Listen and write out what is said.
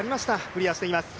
クリアしています。